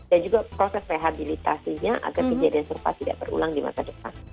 dan juga proses rehabilitasinya agar kejadian surpa tidak berulang di masa depan